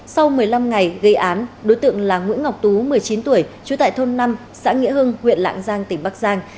sau một mươi năm ngày gây án đối tượng là nguyễn ngọc tú một mươi chín tuổi trú tại thôn năm xã nghĩa hưng huyện lạng giang tỉnh bắc giang